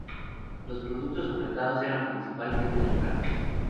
Los productos ofertados eran, principalmente, locales.